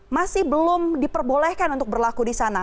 masih belum diperbolehkan untuk berlaku di sana